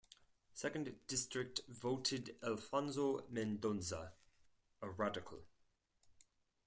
Second District voted Alfonso Mendoza, a Radical.